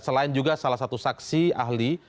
selain juga salah satu saksi ahli